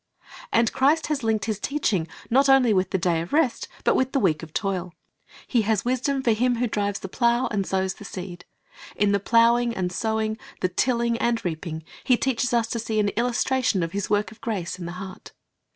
And Christ has linked His teaching, not only with the day of rest, but with the week of toil. He has wisdom for him who drives the plow and sows the seed. In the plowing and sowing, the tilling and reaping. He teaches us to see an illustration of His work of grace in the heart.